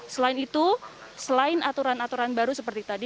selain itu selain aturan aturan baru seperti tadi